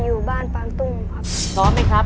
จิตตะสังวโรครับ